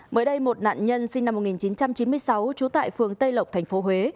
mới đây một nạn nhân sinh năm một nghìn chín trăm chín mươi sáu trú tại phường tây lộc tp huế